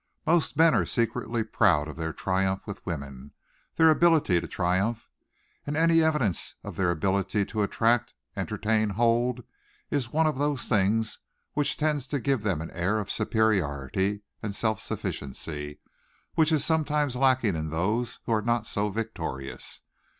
Most men are secretly proud of their triumph with woman their ability to triumph and any evidence of their ability to attract, entertain, hold, is one of those things which tends to give them an air of superiority and self sufficiency which is sometimes lacking in those who are not so victorious.